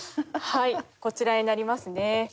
はいこちらになりますね。